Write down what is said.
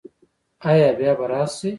ایا بیا به راشئ؟